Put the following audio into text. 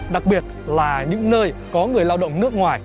đặc biệt là những nơi có người lao động nước ngoài